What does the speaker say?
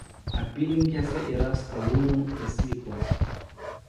Apylinkėse yra skalūnų kasyklos.